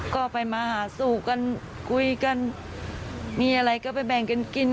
ก็ไปมาหาสู่กันคุยกันมีอะไรก็ไปแบ่งกันกิน